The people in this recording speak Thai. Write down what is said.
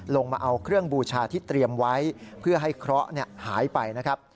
มาเอาเครื่องบูชาที่เตรียมไว้เพื่อให้เคราะห์หายไปนะครับ